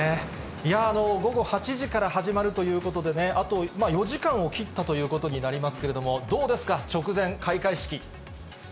いやー、午後８時から始まるということでね、あと４時間を切ったということになりますけれども、どうですか、直前、開会式。